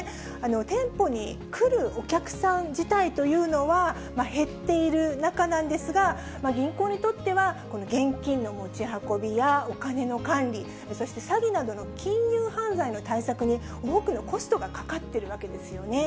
店舗に来るお客さん自体というのは、減っている中なんですが、銀行にとっては現金の持ち運びや、お金の管理、そして詐欺などの金融犯罪の対策に多くのコストがかかっているわけですよね。